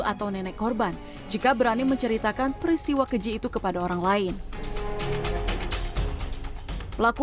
atau nenek korban jika berani menceritakan peristiwa keji itu kepada orang lain pelaku